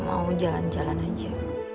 mau jalan jalan aja